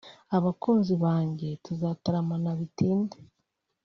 abakunzi banjye tuzataramana bitinde